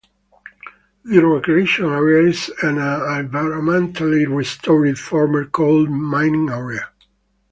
The recreation area is an environmentally restored former coal mining area.